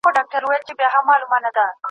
خدای دي په حیا کي را زړه که پر ما ګراني